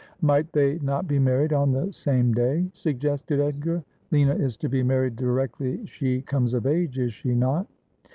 ' Might they not be married on the same day ?' suggested Edgar. ' Lina is to be married directly she comes of age, is she not?'